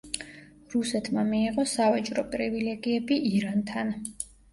რუსეთმა მიიღო სავაჭრო პრივილეგიები ირანთან.